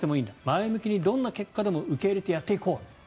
前向きにどんな結果でも受け入れてやっていこう。